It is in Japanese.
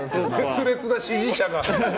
熱烈な支持者が。